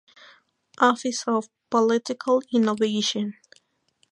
Office of Political Innovation.